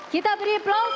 kita beri aplaus